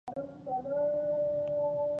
ـ زه دې ابۍ مزدوره ، ابۍ دې کلي.